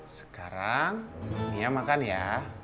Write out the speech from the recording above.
sekarang nia makan ya